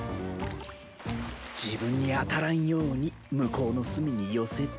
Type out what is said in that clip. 自分に当たらんように向こうの隅に寄せてっと